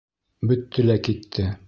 Бөттө лә китте.